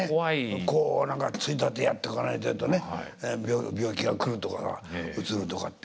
こう何かついたてやっとかないっていうとね病気が来るとかさうつるとかって。